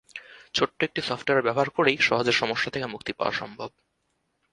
ছোট একটি সফটওয়্যার ব্যবহার করে সহজেই সমস্যা থেকে মুক্তি পাওয়া সম্ভব।